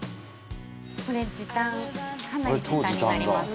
これ時短かなり時短になります。